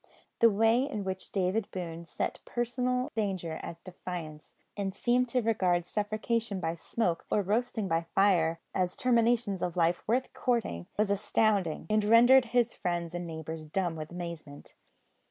The way in which David Boone set personal danger at defiance, and seemed to regard suffocation by smoke or roasting by fire as terminations of life worth courting, was astounding, and rendered his friends and neighbours dumb with amazement.